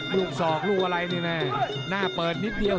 ศอกลูกอะไรนี่แม่หน้าเปิดนิดเดียว